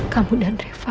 kamu dan refa